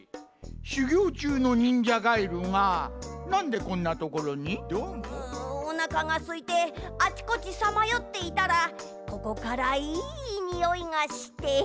しゅぎょうちゅうの忍者ガエルがなんでこんなところに？んおなかがすいてあちこちさまよっていたらここからいいにおいがして。